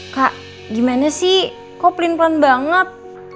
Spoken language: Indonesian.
kak gimana sih kok pelin rev will banget